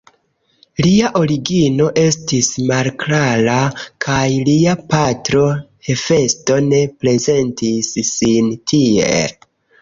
Lia origino estis malklara kaj lia patro Hefesto ne prezentis sin tiel.